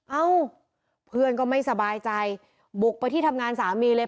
เอ้าเพื่อนก็ไม่สบายใจบุกไปที่ทำงานสามีเลย